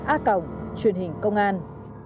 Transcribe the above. a cổng truyền hình công an